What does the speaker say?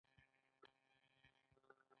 دوی باید سمې پیسې له ناسمو پیسو جلا کړي